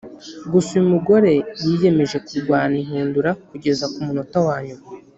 Gusa uyu mugore yiyemeje kurwana inkundura kugeza ku munota wa nyuma